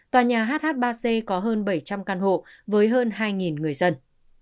tòa nhà hh ba c có hơn bảy trăm linh căn hộ với hơn hai người dân